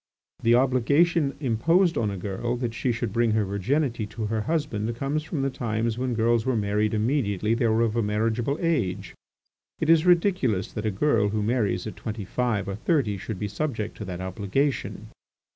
"The obligation imposed on a girl that she should bring her virginity to her husband comes from the times when girls were married immediately they were of a marriageable age. It is ridiculous that a girl who marries at twenty five or thirty should be subject to that obligation.